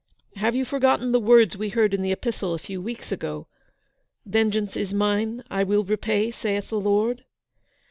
Have you forgotten the words we heard in the Epistle a few weeks ago —' Vengeance is mine, I will repay, saith the Lord?'